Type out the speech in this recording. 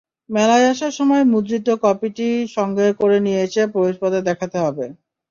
মেলায় আসার সময় মুদ্রিত কপিটি সঙ্গে করে নিয়ে এসে প্রবেশপথে দেখাতে হবে।